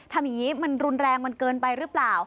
ทำอย่างนี้มันรุนแรงมันเกินไปหรือเปล่า